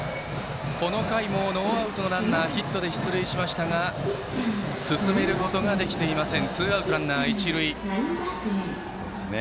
この回もノーアウトランナーがヒットで出塁しましたが進めることができていません。